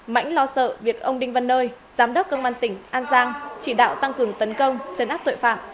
mãnh lo sợ việc ông đinh văn nơi giám đốc công an tỉnh an giang chỉ đạo tăng cường tấn công chấn áp tội phạm